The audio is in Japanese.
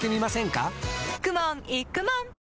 かくもんいくもん